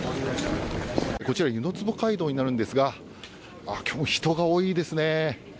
こちら湯の坪街道になるんですが、今日も人が多いですね。